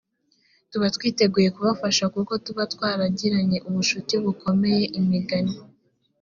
tuba twiteguye kubafasha kubera ko tuba twaragiranye ubucuti bukomeye imigani